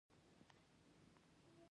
ظاهراً نه هغه سپي ته بسکټ وغورځاوه